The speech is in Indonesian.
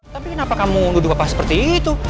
tapi kenapa kamu duduk apa seperti itu